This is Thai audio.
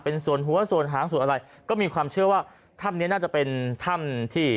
เป็นส่วนหัวส่วนหางส่วนอะไรก็มีความเชื่อว่าถ้ำนี้น่าจะเป็นถ้ำที่